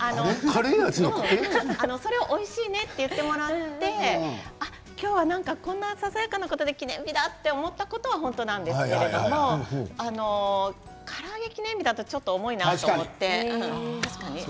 それをおいしいねと言ってもらってこのささやかなことで記念日だと思ったことは本当なんですけどから揚げ記念日だとちょっと重いなと思って。